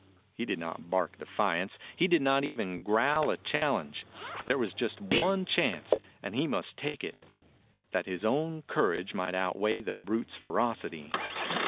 He did not bark defiance. He did not even growl a challenge. There was just one chance, and he must take it : that his own cour age might outweigh the brute's ferocity.